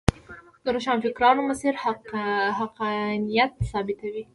د روښانفکرو مسیر حقانیت ثابتوي.